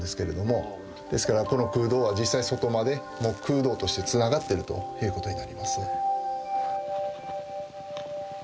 ですからこの空洞は実際外まで空洞としてつながってるということになります。